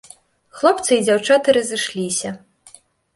Хлопцы і дзяўчаты разышліся.